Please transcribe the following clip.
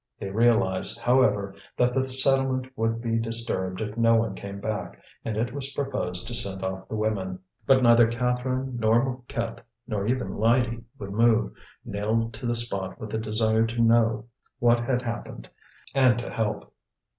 They realized, however, that the settlement would be disturbed if no one came back, and it was proposed to send off the women. But neither Catherine nor Mouquette, nor even Lydie, would move, nailed to the spot with a desire to know what had happened, and to help.